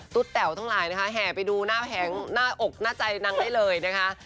แต๋วทั้งหลายนะคะแห่ไปดูหน้าแผงหน้าอกหน้าใจนางได้เลยนะคะ